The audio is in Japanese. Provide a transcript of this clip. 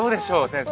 先生。